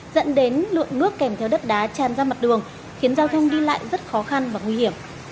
dẫn đến lượng nước kèm theo đất đá tràn ra mặt đường khiến giao thông đi lại rất khó khăn và nguy hiểm